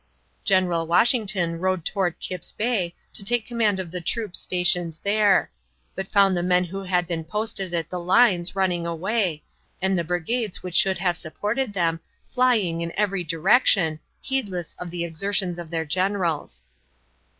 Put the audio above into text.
General Washington rode toward Kipp's Bay to take command of the troops stationed there, but found the men who had been posted at the lines running away, and the brigades which should have supported them flying in every direction, heedless of the exertions of their generals.